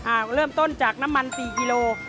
เริ่มต้นจากน้ำมัน๔กิโล